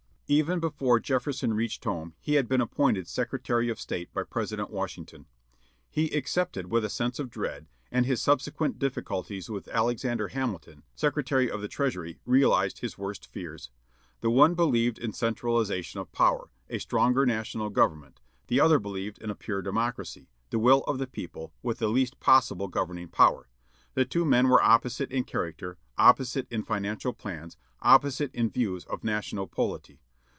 Even before Jefferson reached home he had been appointed Secretary of State by President Washington. He accepted with a sense of dread, and his subsequent difficulties with Alexander Hamilton, Secretary of the Treasury, realized his worst fears. The one believed in centralization of power a stronger national government; the other believed in a pure democracy the will of the people, with the least possible governing power. The two men were opposite in character, opposite in financial plans, opposite in views of national polity.